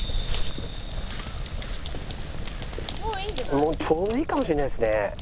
もうちょうどいいかもしれないですね。